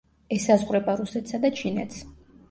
ესაზღვრება რუსეთსა და ჩინეთს.